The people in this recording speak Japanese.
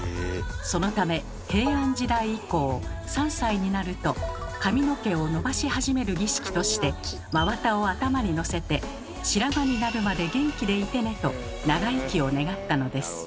そのため平安時代以降３歳になると髪の毛をのばし始める儀式として真綿を頭にのせてと長生きを願ったのです。